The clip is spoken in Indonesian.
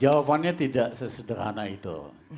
jawabannya tidak sesederhana itu